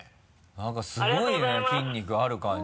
なんかすごいね筋肉ある感じ。